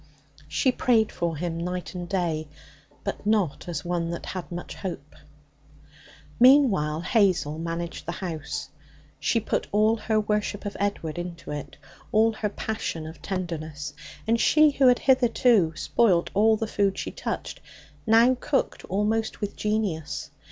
She prayed for him night and day, but not as one that had much hope. Meanwhile, Hazel managed the house. She put all her worship of Edward into it, all her passion of tenderness. And she, who had hitherto spoilt all the food she touched, now cooked almost with genius.